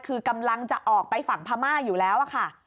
คือกำลังจะออกไปฝั่งพม่าอยู่แล้วค่ะ